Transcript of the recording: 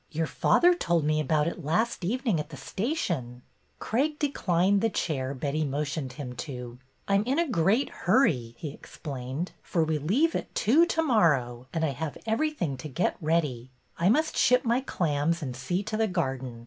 '' Your father told me about it last evening at the station/' Craig declined the chair Betty motioned him to. '' I 'm in a great hurry," he explained, '' for we leave at two to morrow and I have everything to get ready. I must ship my clams and see to the garden.